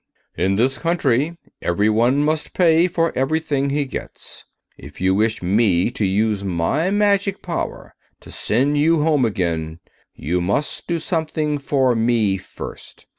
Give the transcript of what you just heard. In this country everyone must pay for everything he gets. If you wish me to use my magic power to send you home again you must do something for me first.